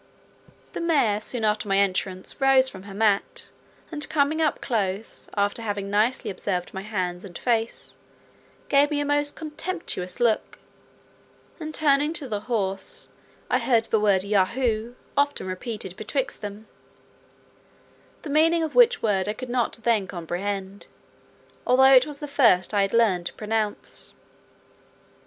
The mare soon after my entrance rose from her mat, and coming up close, after having nicely observed my hands and face, gave me a most contemptuous look; and turning to the horse, I heard the word Yahoo often repeated betwixt them; the meaning of which word I could not then comprehend, although it was the first I had learned to pronounce.